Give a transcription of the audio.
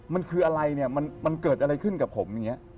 มันคืออะไรเนี่ยมันเกิดอะไรขึ้นกับผมอย่างนี้